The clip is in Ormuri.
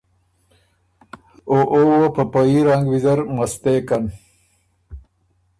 او او وه په په يي رنګ ویزر مستېکن۔